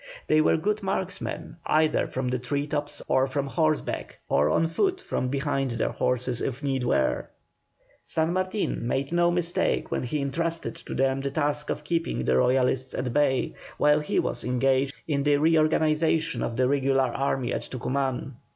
They were good marksmen, either from the tree tops or from horseback, or on foot from behind their horses if need were. San Martin made no mistake when he entrusted to them the task of keeping the Royalists at bay while he was engaged in the reorganization of the regular army at Tucuman.